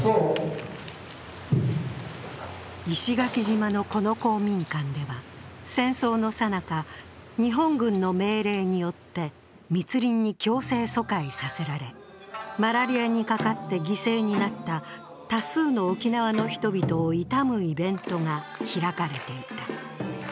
石垣島のこの公民館では、戦争のさなか、日本軍の命令によって密林に強制疎開させられ、マラリアにかかって犠牲になった多数の沖縄の人々を悼むイベントが開かれていた。